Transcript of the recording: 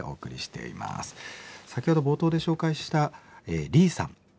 先ほど冒頭で紹介したリイさん。